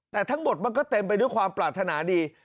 แต่ทั้งหมดมันก็เต็มไปด้วยความปรารถนาดี